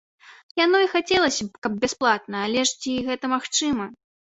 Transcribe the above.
Яно і хацелася б, каб бясплатная, але ж ці гэта магчыма?